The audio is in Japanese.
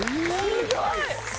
すごい！